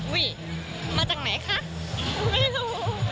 อุ๊ยมาจากไหมคะไม่รู้